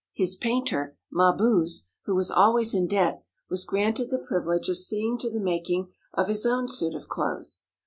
His painter, Mabuse, who was always in debt, was granted the privilege of seeing to the making of his own suit of clothes.